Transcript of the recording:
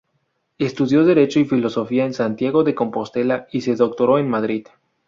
Estudió Derecho y Filosofía en Santiago de Compostela y se doctoró en Madrid.